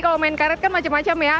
kalau main karet kan macam macam ya